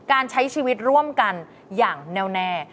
การใช้ชีวิตร่วมกันอย่างแน่วแน่